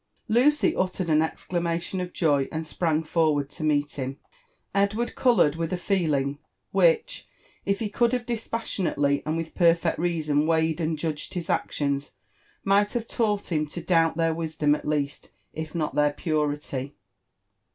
Lucy uttered an exclamation of joy, and sprang forward to meet him. Edward coloured with a feeling which, if he could have dispassionaleW and wilh perfect reason weighed and judged his actions, might have taught him to doubt their wisdom at least, if not (heir purity.